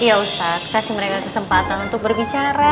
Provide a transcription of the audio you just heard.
iya ustaz kasih mereka kesempatan untuk berbicara